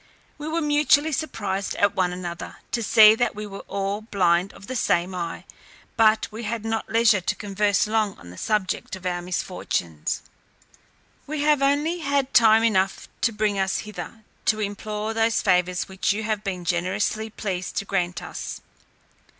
We were mutually surprised at one another, to see that we were all blind of the same eye; but we had not leisure to converse long on the subject of our misfortunes. We have only had time enough to bring us hither, to implore those favours which you have been generously pleased to grant us.